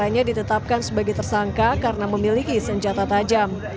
hanya ditetapkan sebagai tersangka karena memiliki senjata tajam